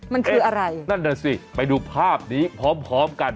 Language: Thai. มันคืออะไรนั่นน่ะสิไปดูภาพนี้พร้อมพร้อมกัน